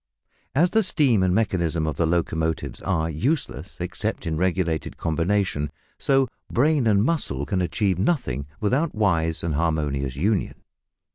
As the steam and mechanism of the locomotive are useless except in regulated combination, so brain and muscle can achieve nothing without wise and harmonious union.